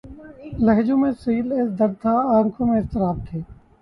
لہجوں میں سیلِ درد تھا‘ آنکھوں میں اضطراب تھے